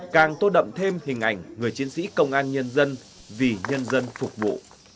càng tô đậm thêm hình ảnh người chiến sĩ công an nhân dân vì nhân dân phục vụ